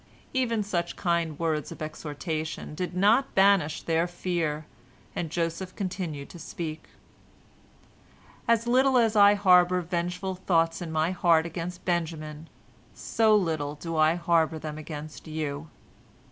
Even such kind words of exhortation did not banish their fear, and Joseph continued to speak, "As little as I harbor vengeful thoughts in my heart against Benjamin, so little do I harbor them against you."